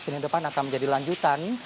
senin depan akan menjadi lanjutan